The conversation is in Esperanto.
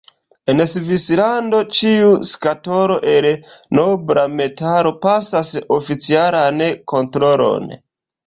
En Svislando, ĉiu skatolo el nobla metalo pasas oficialan kontrolon.